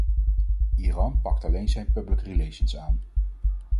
Iran pakt alleen zijn public relations aan.